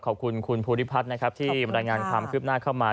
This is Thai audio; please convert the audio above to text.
ขอบคุณคุณภูริพัฒน์นะครับที่รายงานความคืบหน้าเข้ามา